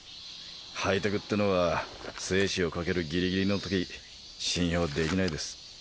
ハイテクってのは生死をかけるギリギリのとき信用できないです